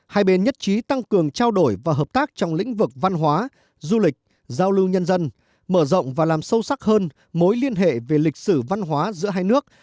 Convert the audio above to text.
hai bên nhất trí tăng cường trao đổi và hợp tác trong lĩnh vực văn hóa du lịch giao lưu nhân dân mở rộng và làm sâu sắc hơn mối liên hệ về lịch sử văn hóa giữa hai nước